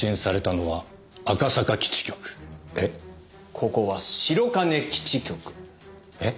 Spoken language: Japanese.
ここは白金基地局。え？